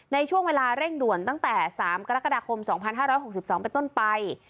ในช่วงเวลาเร่งด่วนตั้งแต่๓กรกฎาคม๒๕๖๒เป็นต้นไป